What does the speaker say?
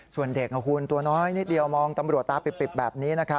ส่วนเด็กคุณตัวน้อยนิดเดียวมองตำรวจตาปริบแบบนี้